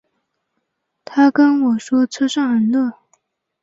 她跟我说车上很热